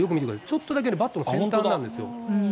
ちょっとだけバットの先端なんですよ。